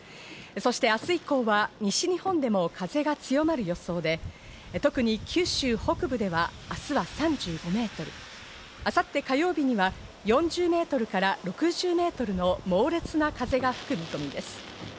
そして明日以降は西日本でも風が強まる予想で特に九州北部では明日は３５メートル、明後日火曜日には４０メートルから６０メートルの猛烈な風が吹く見込みです。